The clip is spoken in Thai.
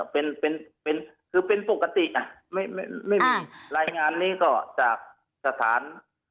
เป็นเป็นคือเป็นปกติไม่มีรายงานนี้ก็จากสถาน